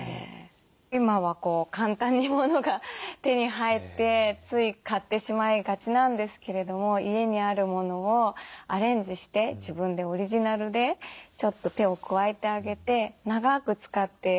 今は簡単に物が手に入ってつい買ってしまいがちなんですけれども家にあるものをアレンジして自分でオリジナルでちょっと手を加えてあげて長く使って愛せる。